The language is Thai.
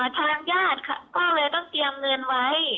ทางญาติก็เลยต้องเตรียมเงินไว้